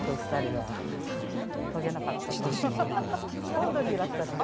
本土にいらした人で。